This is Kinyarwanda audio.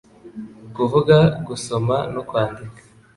kuvuga, gusoma no kwandika